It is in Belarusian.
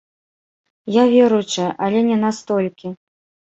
Я веруючая, але не настолькі.